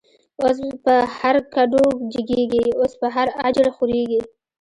اوس په هر کډو جگیږی، اوس په هر”اجړ” خوریږی